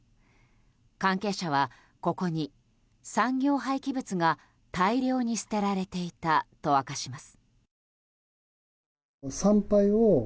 関係者は、ここに産業廃棄物が大量に捨てられていたと明かします。